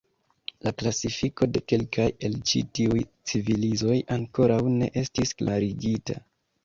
La klasifiko de kelkaj el ĉi tiuj civilizoj ankoraŭ ne estis klarigita.